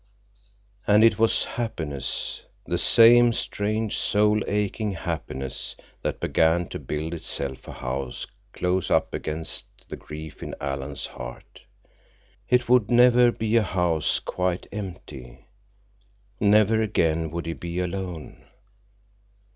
And it was happiness, the same strange, soul aching happiness, that began to build itself a house close up against the grief in Alan's heart. It would never be a house quite empty. Never again would he be alone.